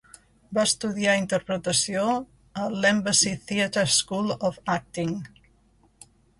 Va estudiar interpretació a l'Embassy Theatre School of Acting.